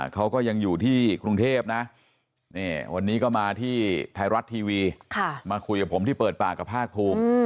เขาก็ยังอยู่ที่กรุงเทพนะวันนี้ก็มาที่ไทยรัฐทีวีมาคุยกับผมที่เปิดปากกับภาคภูมิ